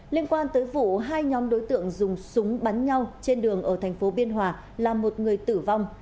liên quan tới vụ hai nhóm đối tượng dùng súng bắn nhau trên đường ở thành phố biên hòa làm một người tử vong